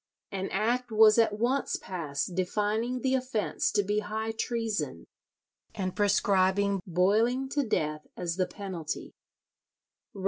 An act was at once passed defining the offence to be high treason, and prescribing boiling to death as the penalty.